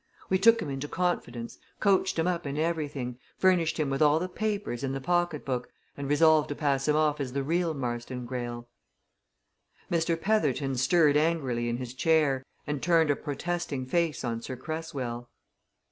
We took him into confidence, coached him up in everything, furnished him with all the papers in the pocket book, and resolved to pass him off as the real Marston Greyle." Mr. Petherton stirred angrily in his chair and turned a protesting face on Sir Cresswell.